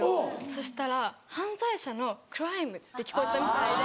そしたら犯罪者の「クライム」って聞こえたみたいで。